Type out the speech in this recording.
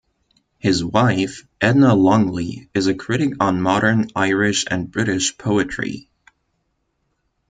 His wife, Edna Longley, is a critic on modern Irish and British poetry.